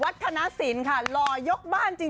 วัฒนศาสนศาสตร์ค่ะรอยกบ้านจริง